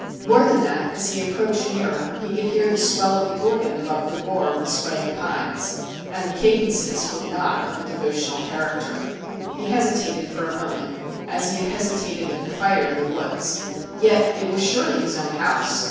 More than that, as he approached nearer he could hear the swell of the organ above the roar of the swaying pines, and the cadences were not of a devotional character. He hesitated for a moment as he had hesitated at the fire in the woods ; yet it was surely his own house!